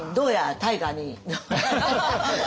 大河に。